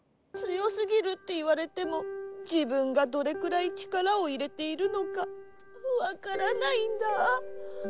強すぎるっていわれてもじぶんがどれくらい力をいれているのかわからないんだ。